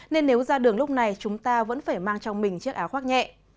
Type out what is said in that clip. nên nếu ra đường lúc này chúng ta vẫn phải mang trong mình chiếc áo khoác nhẹ